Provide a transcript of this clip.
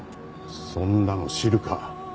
そんなの知るか。